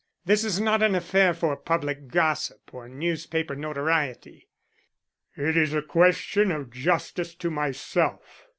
This is not an affair for public gossip or newspaper notoriety. It is a question of justice to myself.